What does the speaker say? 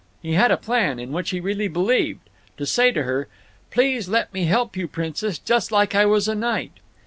He had a plan, in which he really believed, to say to her, "Please let me help you, princess, jus' like I was a knight."